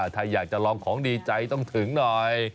ถ้าอยากจะลองของดีใจต้องถึงหน่อย